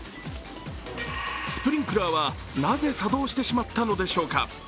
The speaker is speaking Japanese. スプリンクラーは、なぜ作動してしまったのでしょうか？